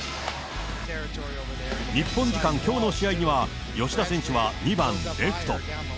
日本時間きょうの試合には、吉田選手は２番レフト。